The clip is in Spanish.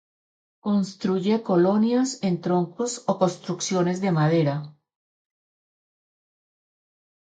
Construye colonias en troncos o construcciones de madera.